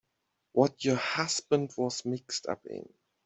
What your husband was mixed up in.